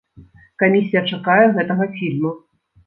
Камісія чакае гэтага фільма.